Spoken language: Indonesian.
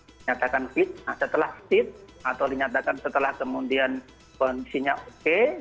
dinyatakan fitnah setelah fit atau dinyatakan setelah kemudian kondisinya oke